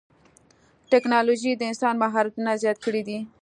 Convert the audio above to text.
ټکنالوجي د انسان مهارتونه زیات کړي دي.